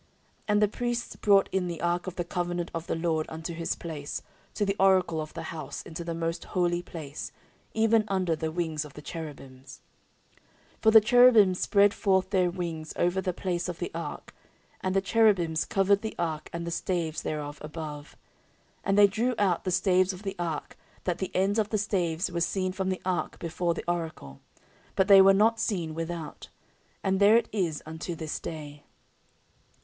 14:005:007 And the priests brought in the ark of the covenant of the LORD unto his place, to the oracle of the house, into the most holy place, even under the wings of the cherubims: 14:005:008 For the cherubims spread forth their wings over the place of the ark, and the cherubims covered the ark and the staves thereof above. 14:005:009 And they drew out the staves of the ark, that the ends of the staves were seen from the ark before the oracle; but they were not seen without. And there it is unto this day.